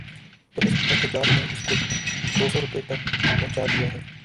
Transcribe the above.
تو اس احتجاج نے اس کو دوسو روپے تک پہنچا دیا ہے۔